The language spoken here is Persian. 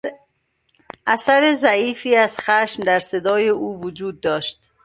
اثر ضعیفی از خشم در صدای او وجود داشت.